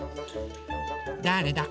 だれだ？